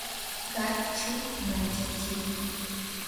qaqchu manchachiku